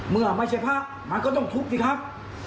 เมื่อไม่ใช่พระมันก็ต้องทุบสิครับ